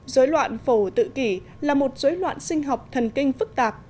dối loạn phổ tự kỷ là một dối loạn sinh học thần kinh phức tạp